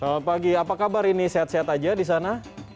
selamat pagi apa kabar ini sehat sehat aja di sana